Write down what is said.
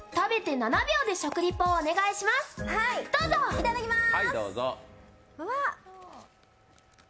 いただきまーす。